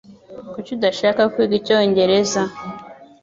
Kuki udashaka kwiga icyongereza?